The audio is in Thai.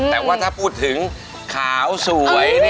แต่ว่าถ้าพูดถึงขาวสวย